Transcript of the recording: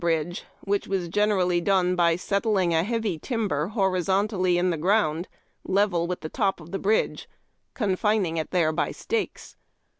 bridge, which was generally done by settling a heavy timber horizontally in tlie ground, level with the top of the bridge, confining it there by stakes.